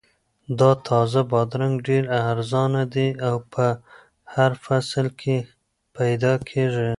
دا تازه بادرنګ ډېر ارزانه دي او په هر فصل کې پیدا کیږي.